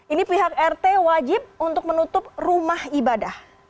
ini pihak rt wajib untuk menutup rumah ibadah